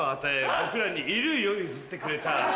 僕らに衣類を譲ってくれた。